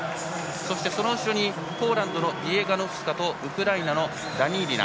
その後ろにポーランドのビエガノフスカザヤツとウクライナのダニーリナ。